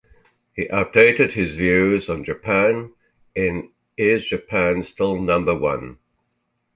He updated his views on Japan in Is Japan Still Number One?